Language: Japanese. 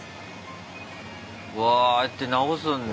うわああやって直すんだ。